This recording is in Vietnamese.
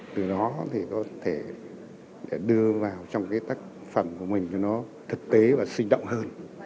từ đó có thể đưa vào trong tác phẩm của mình cho nó thực tế và sinh động hơn